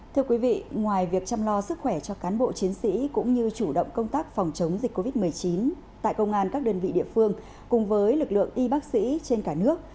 thưa quý vị ngoài việc chăm lo sức khỏe cho cán bộ chiến sĩ cũng như chủ động công tác phòng chống dịch covid một mươi chín tại công an các đơn vị địa phương cùng với lực lượng y bác sĩ trên cả nước